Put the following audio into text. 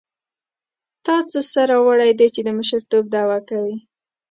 تا څه سر راوړی دی چې د مشرتوب دعوه کوې.